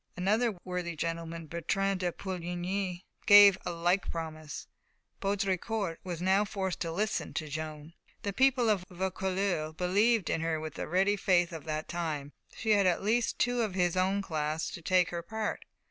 Another worthy gentleman, Bertrand de Poulengy, gave a like promise. Baudricourt was now forced to listen to Joan. The people of Vaucouleurs believed in her with the ready faith of that time, and she had at least two of his own class to take her part.